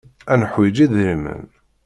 Ad neḥwiǧ idrimen.